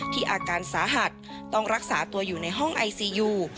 อาการสาหัสต้องรักษาตัวอยู่ในห้องไอซียู